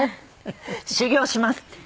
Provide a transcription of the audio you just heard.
「修業します」って。